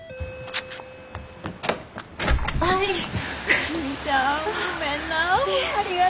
久留美ちゃんごめんな。